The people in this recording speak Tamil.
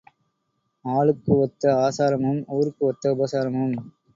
ஆளுக்கு ஒத்த ஆசாரமும் ஊருக்கு ஒத்த உபசாரமும்.